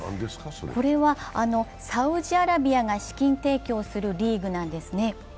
これはサウジアラビアが資金提供するリーグなんですね。